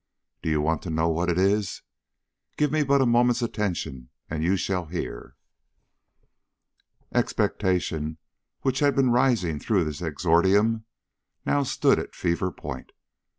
Do you want to know what it is? Give me but a moment's attention and you shall hear." Expectation, which had been rising through this exordium, now stood at fever point.